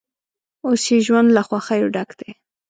اوس یې ژوند له خوښیو ډک دی.